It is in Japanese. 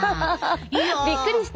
いや。びっくりした？